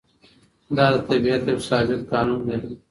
دا د طبیعت یو ثابت قانون دی.